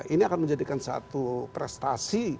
ini akan menjadikan satu prestasi